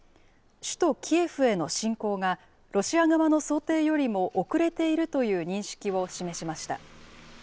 首都キエフへの侵攻がロシア側の想定よりも遅れているという認識を示しました。